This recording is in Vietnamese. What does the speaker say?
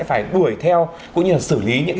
phải đuổi theo cũng như là xử lý những